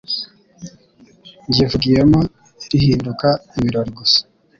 Ndyivugiyemo lihinduka ibiroli gusa